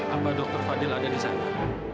apa dokter fadil ada di sana